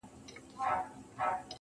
خداى خو دې هركله د سترگو سيند بهانه لري~